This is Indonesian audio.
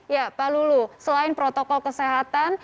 ya pak lulu selain protokol kesehatan